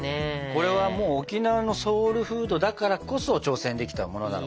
これは沖縄のソウルフードだからこそ挑戦できたものなのかもね。